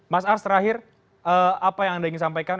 mas ars terakhir apa yang anda ingin sampaikan